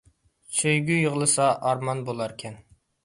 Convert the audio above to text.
سۆيگۈ يىغلىسا ئارمان بۇلار كەن